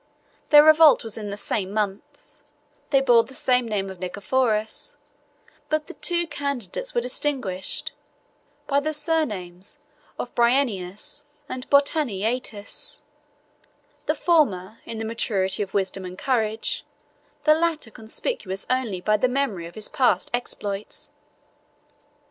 Their revolt was in the same months; they bore the same name of Nicephorus; but the two candidates were distinguished by the surnames of Bryennius and Botaniates; the former in the maturity of wisdom and courage, the latter conspicuous only by the memory of his past exploits.